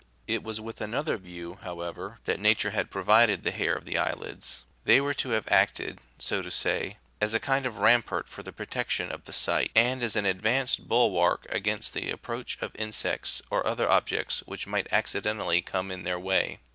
It was with another view, however, that Nature had provided the hair of the eyelids— they were to have acted, so to say, as a kind of rampart for the protection of the sight, and as an advanced bulwark against the approach of insects or other objects which might accidentally come in their way.